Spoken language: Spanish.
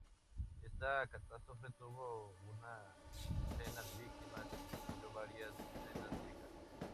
Esta catástrofe tuvo una quincena de víctimas y destruyó varias decenas de casas.